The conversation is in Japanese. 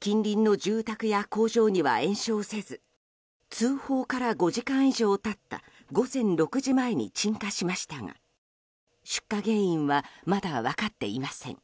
近隣の住宅や工場には延焼せず通報から５時間以上経った午前６時前に鎮火しましたが出火原因はまだ分かっていません。